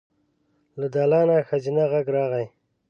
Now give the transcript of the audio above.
له دالانه ښځينه غږ راغی.